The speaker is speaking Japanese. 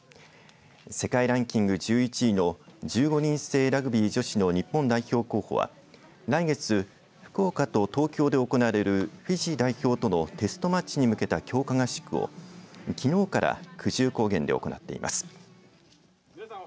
世界ランキング１１位の１５人制ラグビー女子の日本代表候補は来月福岡と東京で行われるフィジー代表とのテストマッチに向けた強化合宿をきのうから久住高原で行っています。